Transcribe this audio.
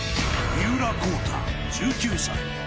三浦孝太、１９歳。